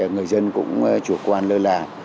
người dân cũng chủ quan lơ là